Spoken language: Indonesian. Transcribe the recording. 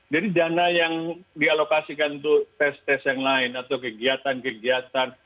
jadi dana yang dialokasikan untuk tes tes yang lain atau kegiatan kegiatan